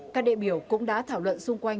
các đại biểu cũng đã thảo luận xung quanh